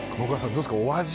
どうですかお味。